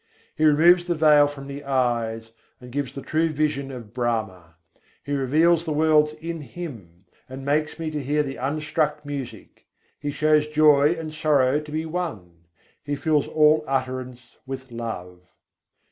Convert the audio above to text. He removes the veil from the eyes, and gives the true Vision of Brahma: He reveals the worlds in Him, and makes me to hear the Unstruck Music: He shows joy and sorrow to be one: He fills all utterance with love.